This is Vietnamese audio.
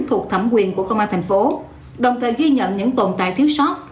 thuộc thẩm quyền của công an tp hcm đồng thời ghi nhận những tồn tại thiếu sót